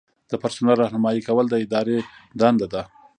د پرسونل رہنمایي کول د ادارې دنده ده.